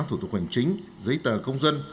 thủ tục hoành chính giấy tờ công dân